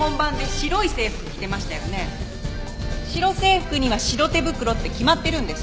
白制服には白手袋って決まってるんです。